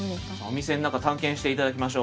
お店の中探検して頂きましょう。